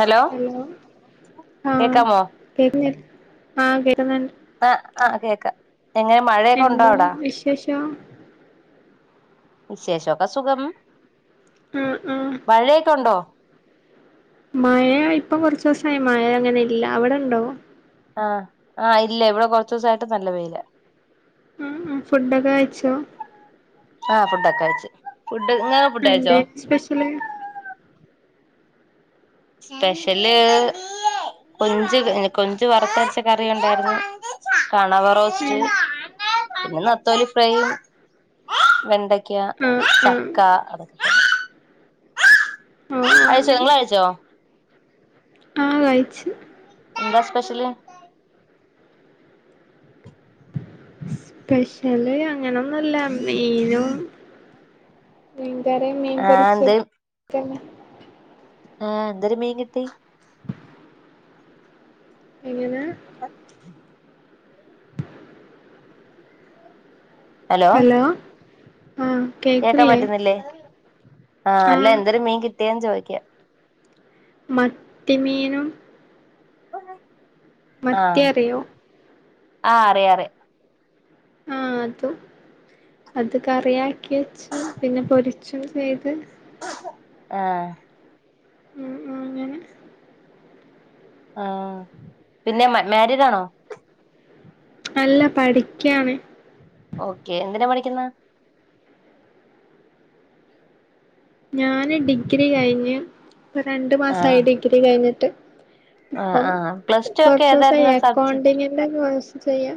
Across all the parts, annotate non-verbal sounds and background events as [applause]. Hello കേക്കാമോ ആ കേക്ക്ന്ന് ആ ആ കേക്കാ എങ്ങനെ മഴക്കണ്ടോ എന്താ അവിടെ വിശേഷം വിശേഷൊക്കെ സുഖം ആഹ് ആഹ് മഴേക്കൊണ്ടോ മഴ ഇപ്പോ കുറച്ചോസായി മഴ അങ്ങനെയില്ല അവിടെണ്ടോ ആ ആ ഇല്ല ഇവിടെ കുറച്ചോസായിട്ട് നല്ല വെയിലാ മ്ഹ് ഫുഡൊക്കെ കഴിച്ചോ ആ ഫുഡൊക്കഴിച്ച് ഫുഡ് ങ്ങള് ഫുഡയ്ച്ചോ എന്തേനി സ്പെഷ്യല് സ്പെഷ്യല് കൊഞ്ച് കൊഞ്ച് വറുത്തരച്ച കറിയുണ്ടായിരുന്നു കണവ റോസ്റ്റ് ഏഹ് പിന്നെ നെ ത്തോലി ഫ്രൈയും വെണ്ട ക്ക ആഹ് ആഹ് ചക്ക അതൊക്കെ തന്നെ ഓഹ് കഴിച്ച് ങ്ങള് കഴിച്ചോ ആ കഴിച്ച് എന്താ സ്പെഷ്യല് സ്പെഷ്യൽ അങ്ങനൊന്നുല്ല മീനും മീ കറി മീൻ ആ എന്ത് പൊരിച്ചത് അത്രന്നെ ആ ന്തൊരു മീന് കിട്ടി എങ്ങനെ ഹലോ ആഹ് കേക്കാൻ കേക്കില്ലേ പറ്റുന്നില്ലേ ആ അല്ല ആഹ് എന്തൊരു മീന് കി ട്ടി ചോയ്ക്കാ മത്തി മീനും [inaudible] മത്തി ആഹ് അറിയോ? ആ അറിയാ അറി ആ അതും അത് കറിയാക്കി വെച്ച് പിന്നെ പൊരിച്ചും ചെയ്ത് ആ ആ ആ അങ്ങനെ ആ പിന്നെ മാ മാരീഡാണോ അല്ല പഠിക്കാണ് ഓക്കെ എന്തിനാ പഠിക്കുന്നെ ഞാന് ഡിഗ്രി കഴിഞ്ഞ് ഇപ്പ രണ്ട് മാസായി ആഹ് ഡിഗ്രി കഴിഞ്ഞിട്ട് ട്ട് ആഹ് ഇപ്പം ആഹ് പ്ലസ് ഇപ്പ ടു ഒക്കെ കൊർചൂസായി ഏതായിരുന്നു സബ്ജക്ട് എക്കൗണ്ടിങ്ങിൻ്റെ കോഴ്സ് ചെയ്യാ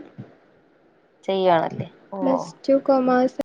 ചെയ്യുവാണല്ലേ ഓ പ്ലസ്ടു കൊമേഴ്സ്